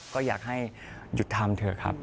ก็อยากให้หยุดทำเถอะครับ